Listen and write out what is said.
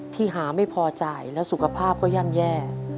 ที่หาไม่พอจ่ายแล้วสุขภาพก็ย่ำแย่